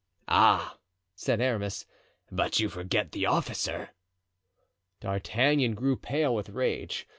"Ah!" said Aramis, "but you forget the officer." D'Artagnan grew pale with rage.